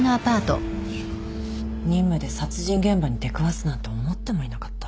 任務で殺人現場に出くわすなんて思ってもいなかった。